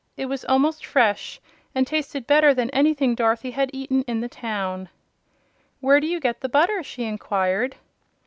It was almost fresh and tasted better than anything Dorothy had eaten in the town. "Where do you get the butter?" she inquired.